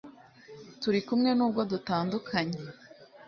Turi kumwe nubwo dutandukanye